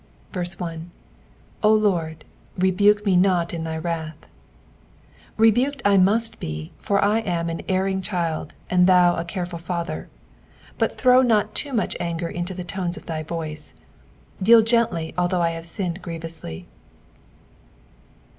1. " 0 Lord, r^niie me not in thy wrath." Rebuked I must be, for I am sa erring cliild and tlinu a, careful Father, but tbrow not too much anger iato the tones of thy voice ; deal gently although T have Binned grievouHly.